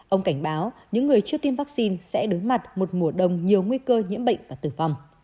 ông cảnh báo những người chưa tiêm vaccine sẽ đối mặt một mùa đông nhiều nguy cơ nhiễm bệnh và tử vong